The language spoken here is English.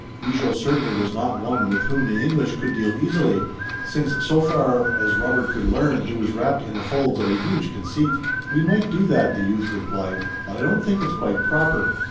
Bigot certainly was not one with whom the English could deal easily, since so far as Robert could learn he was wrapped in the folds of a huge conceit. "We might do that," the youth replied, "but I don't think it's quite proper.